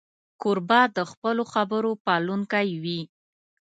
کوربه د خپلو خبرو پالونکی وي.